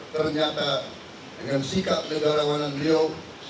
ternyata dengan sikap negara warna milau